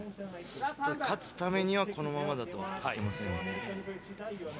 勝つためにはこのままだといけませんね。